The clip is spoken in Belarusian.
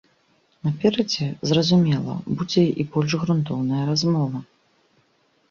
Наперадзе, зразумела, будзе і больш грунтоўная размова.